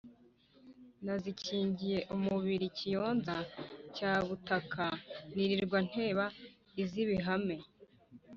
nazikingiye umubili Kiyonza cya Butaka nilirwa nteba iz’ibihame.